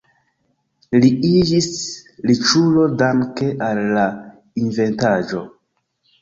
Li iĝis riĉulo danke al la inventaĵo.